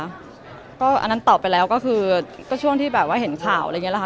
อันนั้นตอบไปแล้วก็คือก็ช่วงที่เห็นข่าวฮะค่ะ